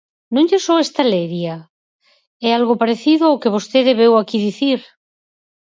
¿Non lles soa esta leria? É algo parecido ao que vostede veu aquí dicir.